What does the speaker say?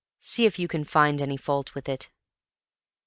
See if you can find any fault with it."